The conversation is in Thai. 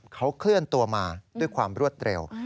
เขาเคลื่อนตัวมาด้วยความรวดเร็ว